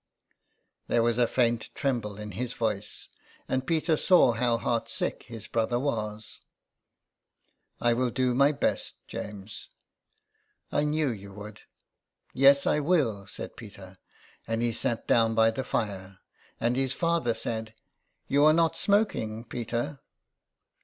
There was a faint tremble in his voice, and Peter saw how heartsick his brother was. " I will do my best, James." '* I knew you would." " Yes, I will," said Peter; and he sat down by the fire. And his father said You are not smoking, Peter."